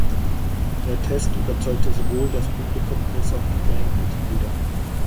Der Test überzeugte sowohl das Publikum als auch die Bandmitglieder.